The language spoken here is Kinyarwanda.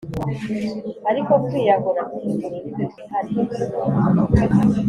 ariko kwiyahura bifite ururimi rwihariye.